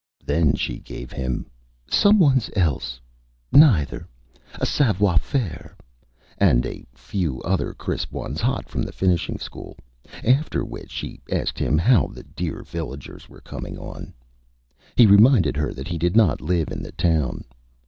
Then she gave him "Some one's else," "Neyether," "Savoir Faire," and a few other Crisp Ones, hot from the Finishing School, after which she asked him how the Dear Villagers were coming on. He reminded her that he did not live in the Town.